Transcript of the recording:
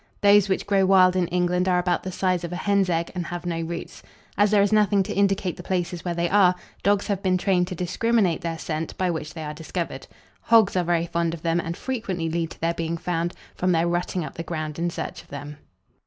Those which grow wild in England are about the size of a hen's egg, and have no roots. As there is nothing to indicate the places where they are, dogs have been trained to discriminate their scent, by which they are discovered. Hogs are very fond of them, and frequently lead to their being found, from their rutting up the ground in search of them.